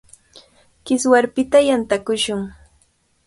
Kiswarpita yantakushun.